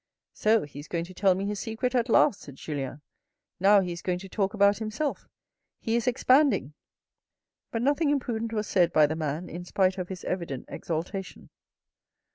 " So he is going to tell me his secret at last," said Julien. M Now he is going to talk about himself. He is expanding." But nothing imprudent was said by the man in spite of his evident exaltation.